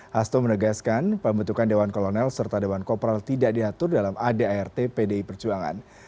hasto menegaskan pembentukan dewan kolonel serta dewan kopral tidak diatur dalam adart pdi perjuangan